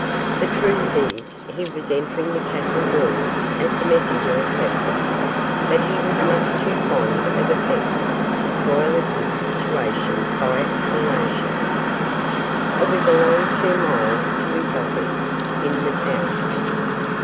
The truth is, he was entering the castle doors as the messenger left them, but he was much too fond of effect to spoil a good situation by explanations. It was a long two miles to his office in the Tower.